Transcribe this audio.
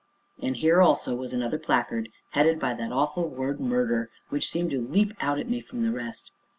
And here, also, was another placard, headed by that awful word: MURDER which seemed to leap out at me from the rest.